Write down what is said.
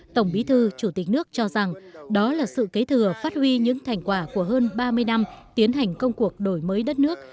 tổng bí thư chủ tịch nước cho rằng đó là sự kế thừa phát huy những thành quả của hơn ba mươi năm tiến hành công cuộc đổi mới đất nước